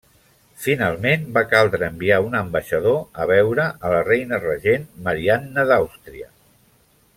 Finalment va caldre enviar un ambaixador a veure a la reina regent, Marianna d'Àustria.